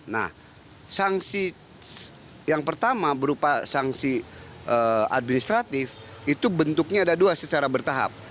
nah sanksi yang pertama berupa sanksi administratif itu bentuknya ada dua secara bertahap